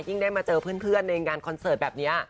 ได้มาเจอเพื่อนในงานคอนเสิร์ตแบบนี้